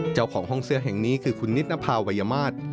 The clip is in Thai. เจ้าของห้องเสื้อแห่งนี้คือคุณนิตนภาวัยมาศ